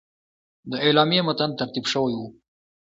د اعلامیې متن ترتیب شوی وو.